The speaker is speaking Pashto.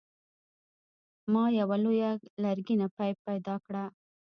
ما یوه لویه لرګینه پیپ پیدا کړه.